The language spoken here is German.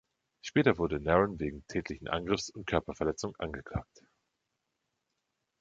Später wurde Narron wegen tätlichen Angriffs und Körperverletzung angeklagt.